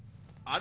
あ！